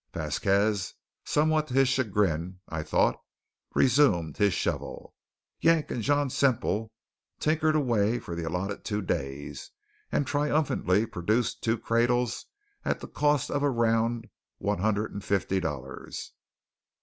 Vasquez, somewhat to his chagrin, I thought, resumed his shovel. Yank and John Semple tinkered away for the allotted two days, and triumphantly produced two cradles at a cost of a round one hundred and fifty dollars.